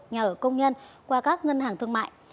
nhà ở công nhân qua các ngân hàng thương mại